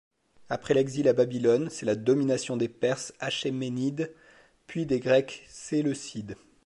Après l'Exil à Babylone, c'est la domination des Perses Achéménides puis des Grecs Séleucides.